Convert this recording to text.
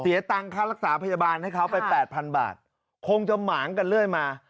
ตังค่ารักษาพยาบาลให้เขาไปแปดพันบาทคงจะหมางกันเรื่อยมา